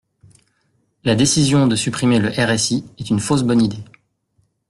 La décision de supprimer le RSI est une fausse bonne idée.